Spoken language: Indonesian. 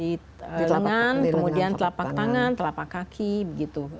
di lengan kemudian telapak tangan telapak kaki begitu